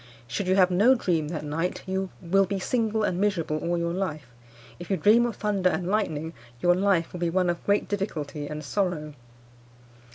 Should you have no dream that night, you will be single and miserable all your life. If you dream of thunder and lightning, your life will be one of great difficulty and sorrow.